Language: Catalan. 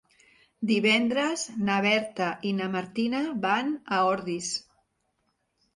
Divendres na Berta i na Martina van a Ordis.